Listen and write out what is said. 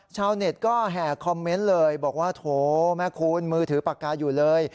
ชาวเน็ตก็แห่คอมเมนต์เลยบอกว่าโถแม่คุณมือถือปากกาอยู่เลย